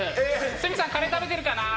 鷲見さん、カレー食べてるかな？